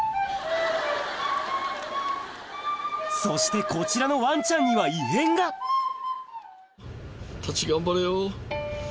そしてこちらのワンちゃんには異変がタッチ頑張れよ。